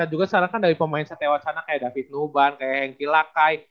kita juga sarankan dari pemain satewacana kayak david nuban kayak hengki lakai